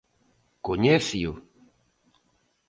¿Coñéceo?